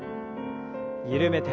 緩めて。